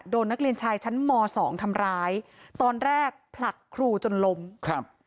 โดนนักเรียนชายชั้นมสองทำร้ายตอนแรกผลักครูจนล้มครับ